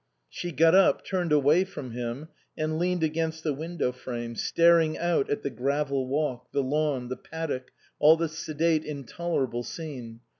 She got up, turned away from him, and leaned against the window frame, staring out at the gravel walk, the lawn, the paddock, all the sedate, intolerable scene.